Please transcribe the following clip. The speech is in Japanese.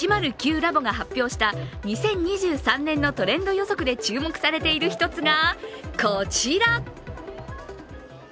ｌａｂ．が発表した２０２３年のトレンド予測で注目されている一つがこちら。